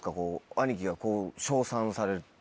兄貴が称賛されてるのは。